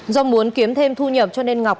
do muốn kiếm thêm thu nhập cho nên ngọc